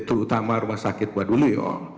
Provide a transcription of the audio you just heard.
terutama rumah sakit buat dulu ya